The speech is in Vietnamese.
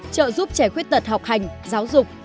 trợ giúp trẻ khuyết tật học hành giáo dục